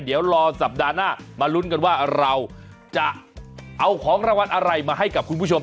เดี๋ยวรอสัปดาห์หน้ามาลุ้นกันว่าเราจะเอาของรางวัลอะไรมาให้กับคุณผู้ชม